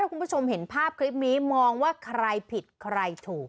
คุณผู้ชมเห็นภาพคลิปนี้มองว่าใครผิดใครถูก